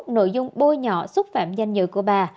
nội dung bôi nhỏ xúc phạm danh dự của bà